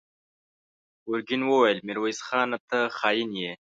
ګرګين وويل: ميرويس خانه! ته خاين يې!